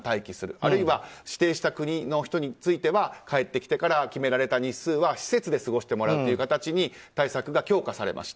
あるいは指定した国の人については帰ってきてから決められた日数は施設で過ごしてもらうと対策が強化されました。